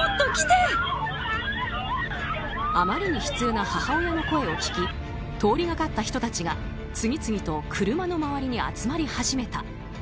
あまりに悲痛な母親の声を聞き通りがかった人たちが次々と車の周りに集まり始めた。